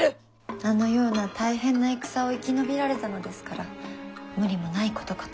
あのような大変な戦を生き延びられたのですから無理もないことかと。